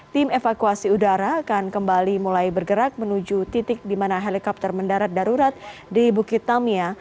tim evakuasi udara akan kembali mulai bergerak menuju titik di mana helikopter mendarat darurat di bukit tamia